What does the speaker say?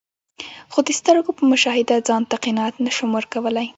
خو د سترګو په مشاهده ځانته قناعت نسم ورکول لای.